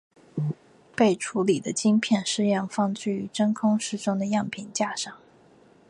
被处理的晶片试样放置于真空室中的样品架上。